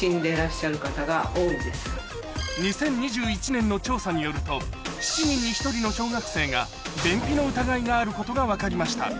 ２０２１年の調査によると７人に１人の小学生が便秘の疑いがあることが分かりました